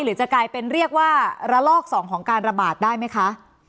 หรือจะกลายเป็นเรียกว่าระลอก๒ของการระบาดได้ไหมคะ